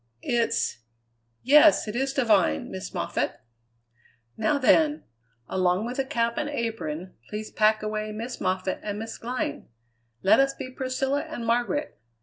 "It's yes, it is divine, Miss Moffatt." "Now then! Along with the cap and apron, please pack away Miss Moffatt and Miss Glynn. Let us be Priscilla and Margaret.